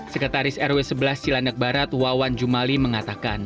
sekretaris rw sebelas cilandak barat wawan jumali mengatakan